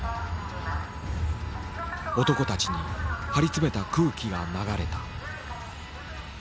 男たちに張り詰めた空気が流れた。